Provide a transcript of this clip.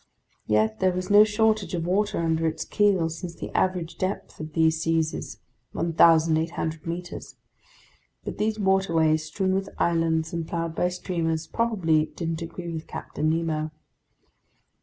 Yet there was no shortage of water under its keel, since the average depth of these seas is 1,800 meters; but these waterways, strewn with islands and plowed by steamers, probably didn't agree with Captain Nemo.